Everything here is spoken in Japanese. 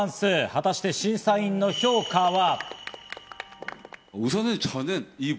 果たして審査員の評価は？